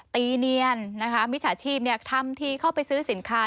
ตีเนียนนะคะมิจฉาชีพทำทีเข้าไปซื้อสินค้า